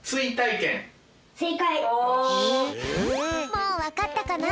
もうわかったかな？